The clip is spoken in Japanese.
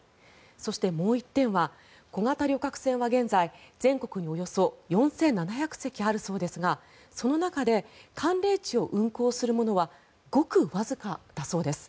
そして、もう１点は小型旅客船は現在全国におよそ４７００隻あるそうですがその中で寒冷地を運航するものはごくわずかだそうです。